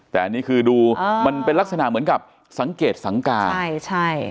แต่อันนี้คือดูมันเป็นลักษณะเหมือนกับสังเกตสังการใช่ใช่